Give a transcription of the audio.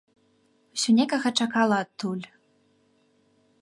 Усё некага чакала адтуль.